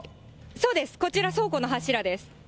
そうです、こちら、倉庫の柱です。